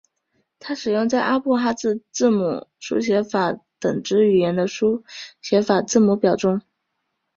它使用在阿布哈兹字母书写法等之语言的书写法字母表中。